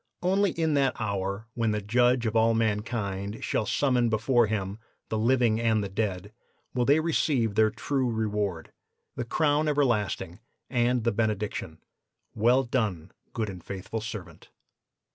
Only in that hour when the Judge of all mankind shall summon before Him the living and the dead will they receive their true reward, the crown everlasting, and the benediction: 'Well done, good and faithful servant.